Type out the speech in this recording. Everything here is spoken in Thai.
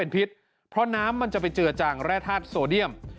พิษเพราะน้ำมันจะไปเจือจางแร่ธาตุโซเดียม